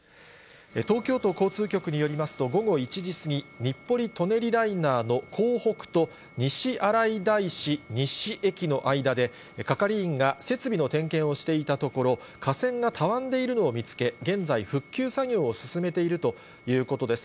東京都交通局によりますと、午後１時過ぎ、日暮里・舎人ライナーの江北と西新井大師西駅の間で係員が設備の点検をしていたところ、架線がたわんでいるのを見つけ、現在、復旧作業を進めているということです。